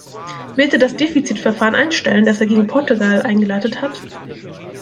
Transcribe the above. Wird er das Defizit-Verfahren einstellen, das er gegen Portugal eingeleitet hat?